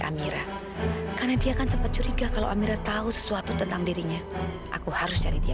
amira karena dia kan sempat curiga kalau amira tahu sesuatu tentang dirinya aku harus cari dia